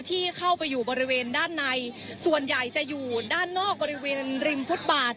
ที่เข้าไปอยู่บริเวณด้านในส่วนใหญ่จะอยู่ด้านนอกบริเวณริมฟุตบาท